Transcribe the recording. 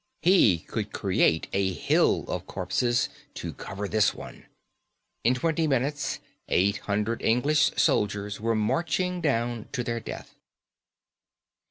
He could create a hill of corpses to cover this one. In twenty minutes eight hundred English soldiers were marching down to their death."